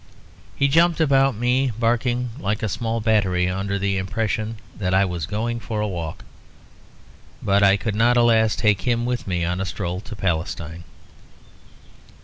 He jumped about me, barking like a small battery, under the impression that I was going for a walk; but I could not, alas, take him with me on a stroll to Palestine.